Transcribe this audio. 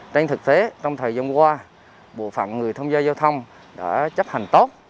trên thực tế trong thời dòng qua bộ phạm người thông gia giao thông đã chấp hành tốt